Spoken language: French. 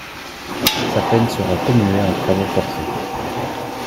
Sa peine sera commuée en travaux forcés.